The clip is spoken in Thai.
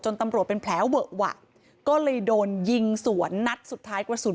ตำรวจเป็นแผลเวอะหวะก็เลยโดนยิงสวนนัดสุดท้ายกระสุน